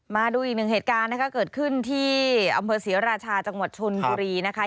มาดูอีกหนึ่งเหตุการณ์นะคะเกิดขึ้นที่อำเภอศรีราชาจังหวัดชนบุรีนะคะ